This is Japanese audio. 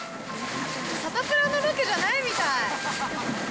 サタプラのロケじゃないみたい。